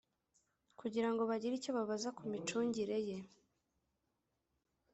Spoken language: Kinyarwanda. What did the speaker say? kugira ngo bagire icyo babaza ku micungire ye